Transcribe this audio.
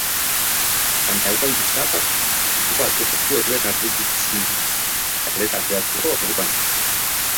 Baina eguraldi txarrak ez ditu atzeratu euren erreibindikazioak kalera ateratzeko orduan.